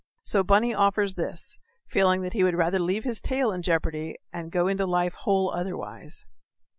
So Bunny offers this feeling that he would rather leave his tail in jeopardy and go into life whole otherwise.